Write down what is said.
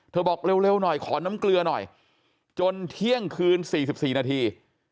บอกเร็วหน่อยขอน้ำเกลือหน่อยจนเที่ยงคืน๔๔นาที